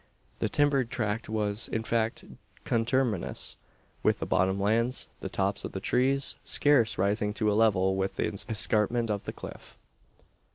The timbered tract was, in fact, conterminous with the bottom lands; the tops of the trees scarce rising to a level with the escarpment of the cliff.